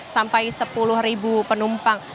sampai sepuluh penumpang